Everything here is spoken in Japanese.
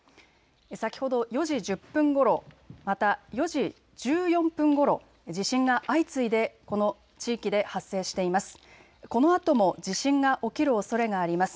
先ほど４時１０分ごろ、また４時１４分ごろ、地震が相次いでこの地域で発生しています。